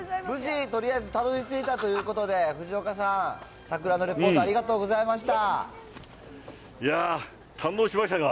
無事、とりあえずたどりついたということで、藤岡さん、桜のレポートありがとうございました。